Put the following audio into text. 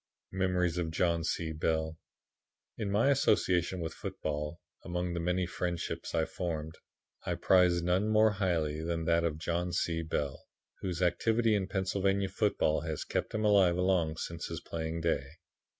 _'" Memories of John C. Bell In my association with football, among the many friendships I formed, I prize none more highly than that of John C. Bell, whose activity in Pennsylvania football has been kept alive long since his playing day.